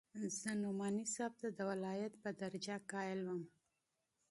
زه نعماني صاحب ته د ولايت په درجه قايل وم.